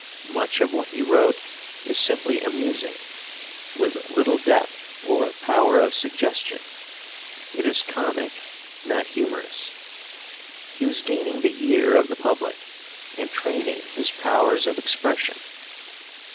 Much of what he wrote is simply amusing, with little depth or power of suggestion; it is comic, not humorous. He was gaining the ear of the public and training his powers of expression.